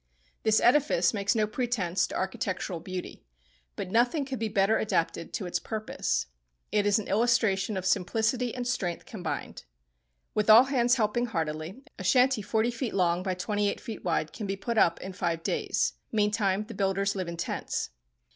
This edifice makes no pretence to architectural beauty, but nothing could be better adapted to its purpose. It is an illustration of simplicity and strength combined. With all hands helping heartily, a shanty forty feet long by twenty eight feet wide can be put up in five days. Meantime the builders live in tents.